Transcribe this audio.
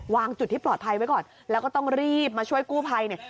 จุดที่ปลอดภัยไว้ก่อนแล้วก็ต้องรีบมาช่วยกู้ภัยเนี่ย